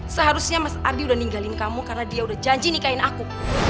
seharusnya mas ardi udah ninggalin kamu karena dia udah janji nikahin aku